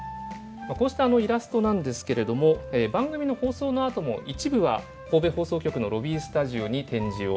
こうしたイラストなんですけれども番組の放送のあとも一部は神戸放送局のロビースタジオに展示をし続けます。